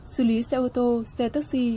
xử lý xe ô tô xe taxi